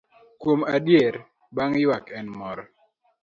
Kuom adier, bang' ywak en mor.